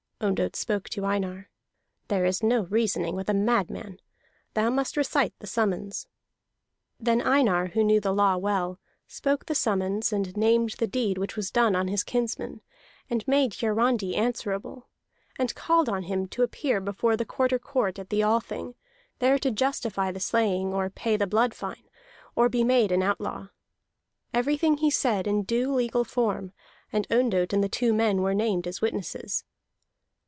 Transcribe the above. Ondott spoke to Einar. "There is no reasoning with a madman. Thou must recite the summons." Then Einar, who knew the law well, spoke the summons, and named the deed which was done on his kinsman, and made Hiarandi answerable; and called him to appear before the Quarter Court at the Althing, there to justify the slaying, or pay the blood fine, or be made an outlaw. Everything he said in due legal form, and Ondott and the two men were named as witnesses.